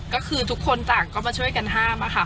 ก็คือทุกคนต่างก็มาช่วยกันห้ามค่ะ